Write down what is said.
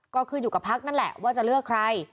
ก็คืออยู่กับพักนั่นแหละว่าจะเลือกใคร